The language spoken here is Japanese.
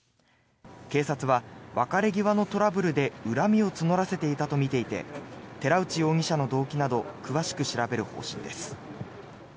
警察は、別れ際のトラブルで恨みを募らせていたとみていて寺内容疑者の動機など詳しく調べる方針です。